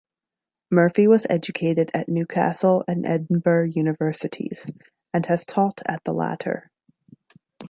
Murphy was educated at Newcastle and Edinburgh Universities, and has taught at the latter.